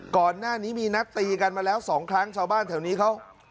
ก่อนหน้านี้มีนัดตีกันมาแล้วสองครั้งชาวบ้านแถวนี้เขา